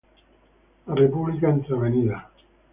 La República entre Av.